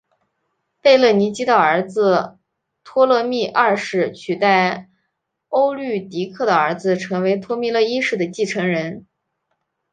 贝勒尼基的儿子托勒密二世取代欧律狄刻的儿子成为托勒密一世的继承人。